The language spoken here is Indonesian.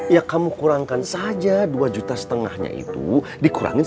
ya kamu kurangkan saja dua lima ratus nya itu dikurangin satu delapan